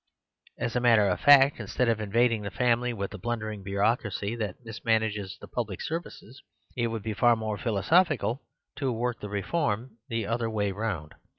As a matter of fact, in stead of invading the family with the blun dering bureaucracy that misnianages the pub lic services, it would be far more philosophi cal to work the reform the other way round.